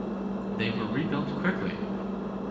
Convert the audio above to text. They were rebuilt quickly.